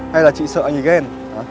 hay là chị sợ anh ấy ghen